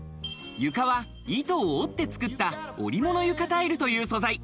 床は糸を織って作った織物床タイルという素材。